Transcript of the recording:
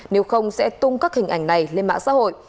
nếu không sẽ tung các hình ảnh này lên mạng xã hội